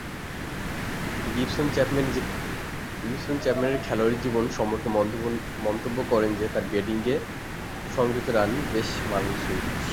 Gibson চ্যাপম্যানের খেলোয়াড়ী জীবন সম্পর্কে মন্তব্য করেন যে, তার ব্যাটিংয়ে সংগৃহীত রান বেশ মানানসই।